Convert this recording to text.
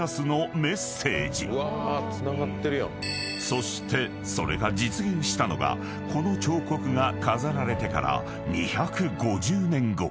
［そしてそれが実現したのがこの彫刻が飾られてから２５０年後］